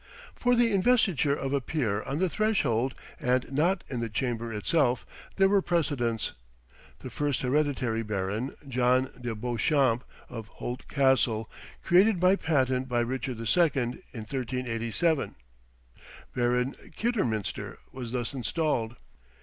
For the investiture of a peer on the threshold, and not in the chamber itself, there were precedents. The first hereditary baron, John de Beauchamp, of Holt Castle, created by patent by Richard II., in 1387, Baron Kidderminster, was thus installed.